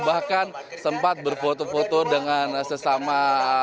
bahkan sempat berfoto foto dengan sesama